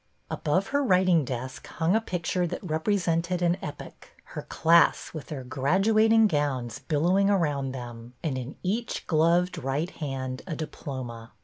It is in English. Above her writing desk hung a picture that rep resented an epoch, — her class with their gradu ating gowns billowing around them, and in each gloved right hand a diplom.a.